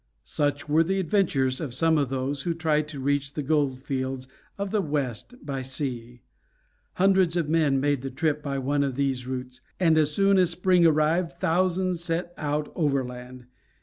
Such were the adventures of some of those who tried to reach the gold fields of the West by sea. Hundreds of men made the trip by one of these routes, and as soon as spring arrived thousands set out overland.